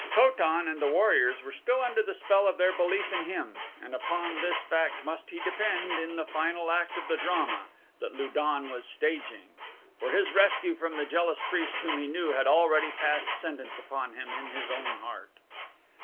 Ko tan and the warriors were still under the spell of their belief in him and upon this fact must he depend in the final act of the drama that Lu don was staging for his rescue from the jealous priest whom he knew had already passed sentence upon him in his own heart.